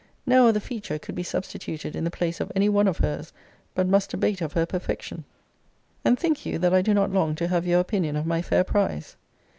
No other feature could be substituted in the place of any one of her's but most abate of her perfection: And think you that I do not long to have your opinion of my fair prize?